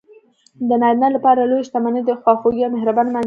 د نارینه لپاره لویه شتمني خواخوږې او مهربانه ماندینه ده.